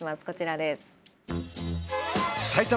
こちらです。